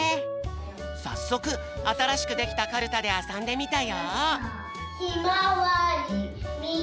さっそくあたらしくできたカルタであそんでみたよ。